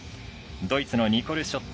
ドイツのニコル・ショット。